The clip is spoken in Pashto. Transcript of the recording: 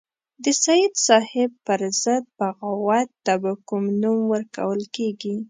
د سید صاحب پر ضد بغاوت ته به کوم نوم ورکول کېږي.